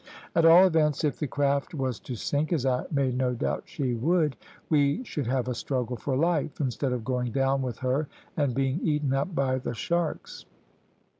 At all events, if the craft was to sink, as I made no doubt she would, we should have a struggle for life, instead of going down with her and being eaten up by the sharks.